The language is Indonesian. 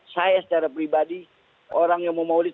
saya secara pribadi orang yang mau maudit